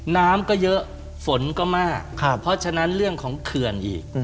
น้ำก็เยอะฝนก็มากเพราะฉะนั้นเรื่องของเขื่อนอีก